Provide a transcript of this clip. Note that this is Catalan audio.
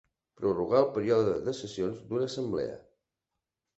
Prorrogar el període de sessions d'una assemblea.